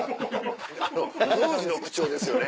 宮司の口調ですよね。